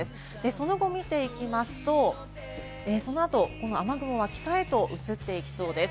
その後を見ていきますと、この雨雲は北へと移っていきそうです。